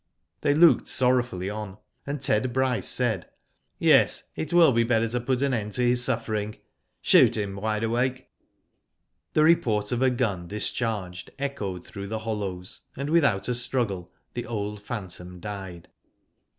They looked sorrowfully on, and Ted Bryce said : •*Yes, is will be better to put an end to his suffering. Shoot him, Wide Awake." The report of a gun discharged echoed through the hollows, and without a struggle the old phantom died.